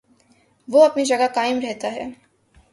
وہ اپنی جگہ قائم رہتا ہے۔